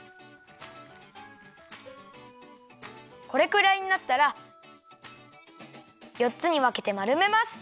これくらいになったらよっつにわけてまるめます。